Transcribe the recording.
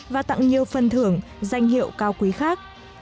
và tặng nhiều phần thưởng danh hiệu cao quý khác